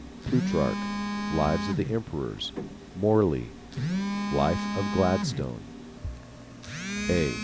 Plutarch, Lives of the Emperors; Morley, Life of Gladstone; A.